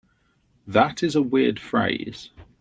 That is a weird phrase.